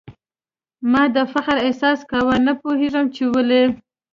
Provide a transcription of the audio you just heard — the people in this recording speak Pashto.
ما د فخر احساس کاوه ، نه پوهېږم چي ولي ؟